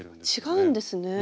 違うんですね。